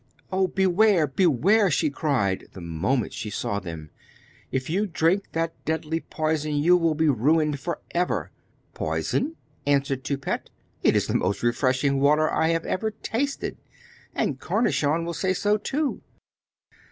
'Oh, beware! beware!' she cried, the moment she saw them. 'If you drink that deadly poison you will be ruined for ever!' 'Poison?' answered Toupette. 'It is the most refreshing water I have ever tasted, and Cornichon will say so too!